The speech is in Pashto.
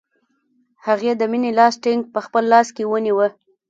هغې د مینې لاس ټینګ په خپل لاس کې ونیوه